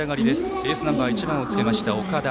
エースナンバー１番をつけました岡田。